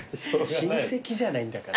親戚じゃないんだから。